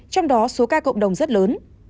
trong đó số ca cộng đồng rất lớn